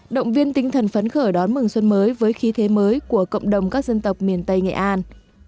động viên tinh thần phấn khởi đón mừng xuân mới với khí thế mới của cộng đồng các dân tộc miền tây nghệ an